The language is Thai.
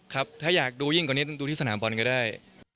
ครับถ้าอยากดูยิ่งกว่านี้ต้องดูที่สนามบอลก็ได้